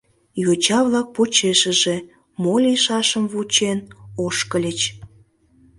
Йоча-влак почешыже, мо лийшашым вучен, ошкыльыч.